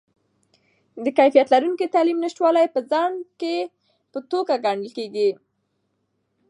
د کیفیت لرونکې تعلیم نشتوالی د خنډ په توګه ګڼل کیږي.